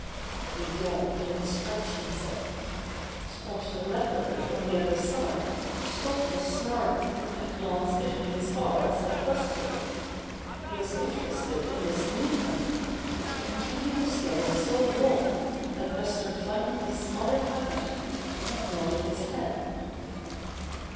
He yawned and stretched himself. Spot the Leopard on the other side stopped his snarling, and glanced between his bars at Buster. He was interested in this new comer, and he continued to stare so long that Buster finally smiled back at him and nodded his head.